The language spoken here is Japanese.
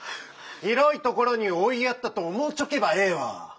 広いところに追いやったと思うちょけばええわ。